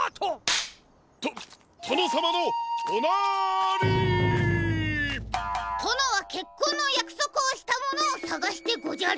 カチン！ととのさまのおなり！とのはけっこんのやくそくをしたものをさがしてごじゃる！